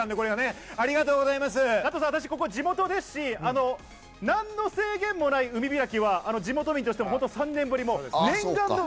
私、ここ地元ですし、何の制限もない海開きは、地元民として３年ぶり。